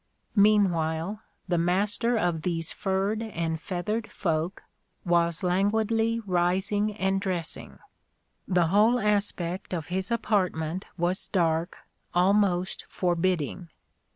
Meanwhile the master of these furred and feathered folk was languidly rising and dressing. The whole aspect of his apartment was dark, almost forbidding.